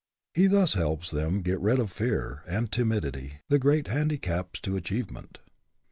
He thus helps them to get rid of fear and timidity, the great handicaps to achievement.